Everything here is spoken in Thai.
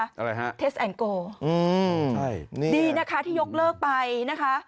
อะไรครับท็สต์แอนด์โกลดีนะคะที่ยกเลิกไปนะคะ